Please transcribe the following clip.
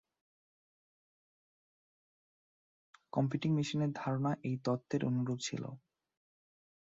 Computing মেশিন-এর ধারণা এই তত্ত্বের অনুরুপ ছিল।